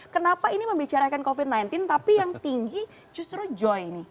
kenapa ini membicarakan covid sembilan belas tapi yang tinggi justru joy ini